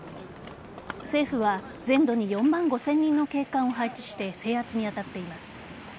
政府は、全土に４万５０００人の警官を配置して制圧に当たっています。